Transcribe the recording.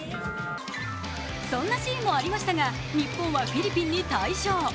そんなシーンもありましたが、日本はフィリピンに大勝。